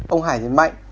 ông hải nhấn mạnh